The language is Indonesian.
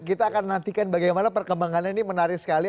kita akan nantikan bagaimana perkembangannya ini menarik sekali